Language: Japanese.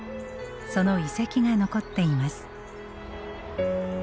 その遺跡が残っています。